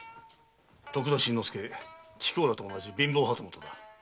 徳田新之助貴公らと同じ貧乏旗本だ。